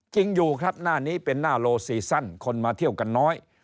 จริงอยู่ครับหน้านี้เป็นหน้าโลซีซั่นคนมาเที่ยวกันน้อย